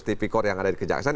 tipikor yang ada di kejaksaan